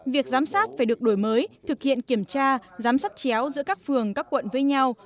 việc giám sát phải được đổi mới thực hiện kiểm tra giám sát chéo giữa các phường các quận với nhau